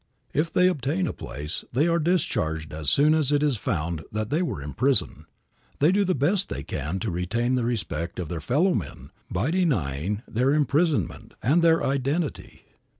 If they obtain a place, they are discharged as soon as it is found that they were in prison. They do the best they can to retain the respect of their fellow men by denying their imprisonment and their identity.